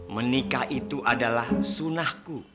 menikah itu adalah sunahku